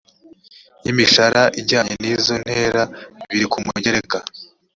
y imishara ijyanye n izo ntera biri ku mugereka